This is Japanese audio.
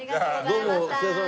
どうも。